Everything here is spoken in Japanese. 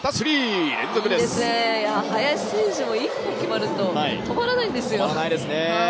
林選手も１本決まると止まらないんですよ。